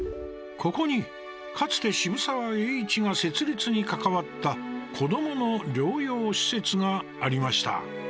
ここに、かつて渋沢栄一が設立に関わった子どもの療養施設がありました。